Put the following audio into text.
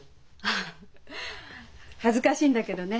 フフッ恥ずかしいんだけどね